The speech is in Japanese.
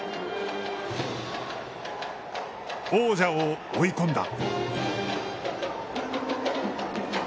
王者を追い込んだ。